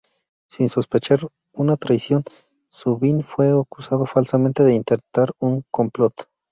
Sin sospechar una traición, Sun Bin fue acusado falsamente de intentar un complot.